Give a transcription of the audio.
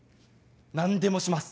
何でもします